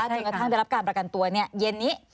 จนกระทั่งได้รับการประกันตัวเย็นนี้